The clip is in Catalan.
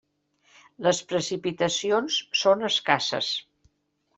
Les precipitacions són escasses.